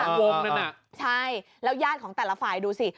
วงนั่นน่ะใช่แล้วญาติของแต่ละฝ่ายดูสิ